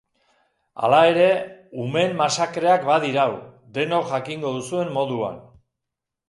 Hala ere, umeen masakreak badirau, denok jakingo duzuen moduan.